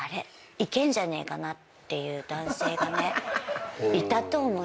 いけんじゃねえかな」っていう男性がねいたと思いますよ。